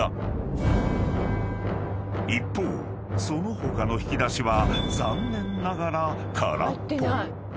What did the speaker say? ［一方その他の引き出しは残念ながら空っぽ］